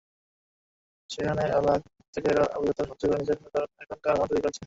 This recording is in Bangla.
সেখান থেকে অভিজ্ঞতা সঞ্চয় করে নিজের এলাকায় এখন কারখানা তৈরি করছি।